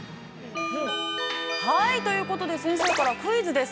◆ということで、先生からクイズです。